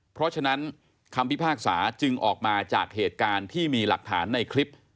เพราะฉะนั้นคำพิพากษาจึงออกมาจากเหตุการณ์ที่มีหลักฐานในคลิป